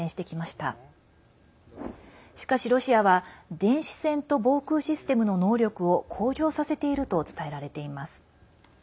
しかし、ロシアは電子戦と防空システムの能力を向上させていると伝えられています。